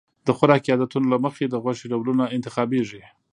د خوراکي عادتونو له مخې د غوښې ډولونه انتخابېږي.